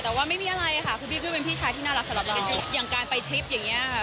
แต่ว่าไม่มีอะไรค่ะคือพี่ก็เป็นพี่ชายที่น่ารักสำหรับเราอย่างการไปทริปอย่างนี้ค่ะ